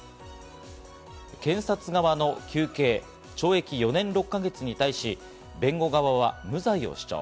検察側の求刑、懲役４年６か月に対し弁護側は無罪を主張。